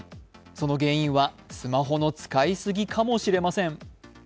その原因はスマホの使いすぎかもしれません。